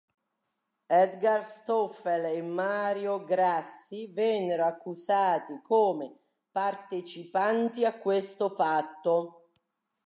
Edgar Stoffel e Mario Grassi vennero accusati come partecipanti a questo fatto.